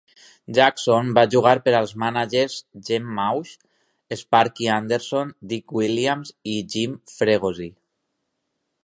Jackson va jugar per als mànagers Gene Mauch, Sparky Anderson, Dick Williams i Jim Fregosi.